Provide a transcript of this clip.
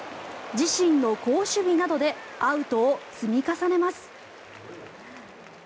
自身の好守備などでアウトを積み重ねます。